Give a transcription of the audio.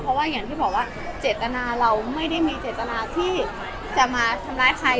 เพราะว่าอย่างที่บอกว่าเจตนาเราไม่ได้มีเจตนาที่จะมาทำร้ายใคร